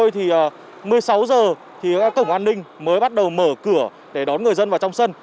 thì một mươi sáu giờ thì các cổng an ninh mới bắt đầu mở cửa để đón người dân vào trong sân